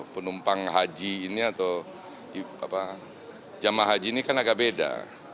penumpang haji ini atau jemaah haji ini kan agak beda